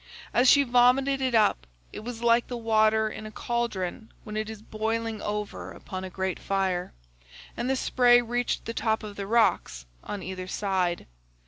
As she vomited it up, it was like the water in a cauldron when it is boiling over upon a great fire, and the spray reached the top of the rocks on either side.